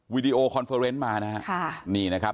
วิดีโอคอนเฟอร์เนนต์มานะฮะค่ะนี่นะครับ